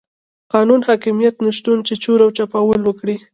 قانون حاکميت نشتون کې چور چپاول وکړي.